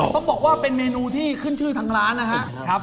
ต้องบอกว่าเป็นเมนูที่ขึ้นชื่อทางร้านนะครับ